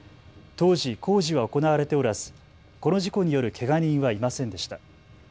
当時、工事は行われておらずこの事故によるけが人はいませんでした。